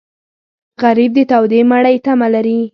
غریب د تودې مړۍ تمه لري